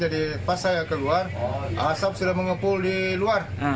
jadi pas saya keluar asap sudah mengepul di luar